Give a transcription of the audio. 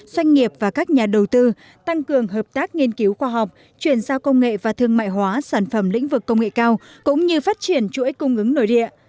doanh nghiệp và các nhà đầu tư tăng cường hợp tác nghiên cứu khoa học chuyển giao công nghệ và thương mại hóa sản phẩm lĩnh vực công nghệ cao cũng như phát triển chuỗi cung ứng nội địa